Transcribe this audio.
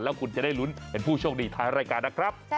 แล้วคุณจะได้ลุ้นเป็นผู้โชคดีท้ายรายการนะครับ